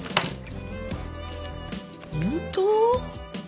本当？